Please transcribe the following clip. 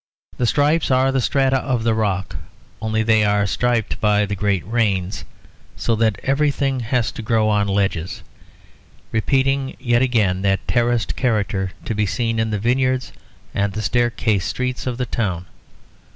The stripes are the strata of the rock, only they are stripped by the great rains, so that everything has to grow on ledges, repeating yet again that terraced character to be seen in the vineyards and the staircase streets of the town.